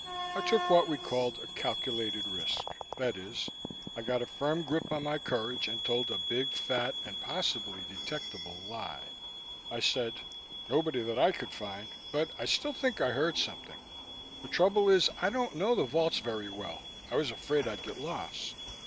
I took what we called a "calculated risk" that is, I got a firm grip on my courage and told a big fat and possibly detectable lie. I said, "Nobody that I could find. But I still think I heard something. The trouble is, I don't know the vaults very well. I was afraid I'd get lost."